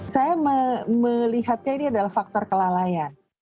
saya melihatnya ini adalah faktor kelalaian